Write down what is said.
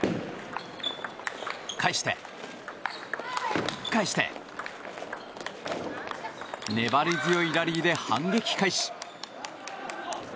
返して、返して粘り強いラリーで反撃開始。